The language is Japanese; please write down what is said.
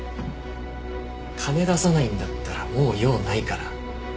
金出さないんだったらもう用ないから。